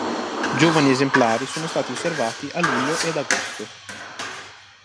Giovani esemplari sono stati osservati a luglio ed agosto.